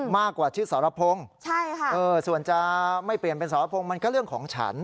มากกว่าชื่อสรพงศ์ส่วนจะไม่เปลี่ยนเป็นสรพงศ์มันก็เรื่องของฉัน